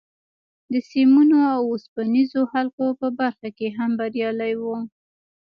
د سیمونو او اوسپنیزو حلقو په برخه کې هم بریالی و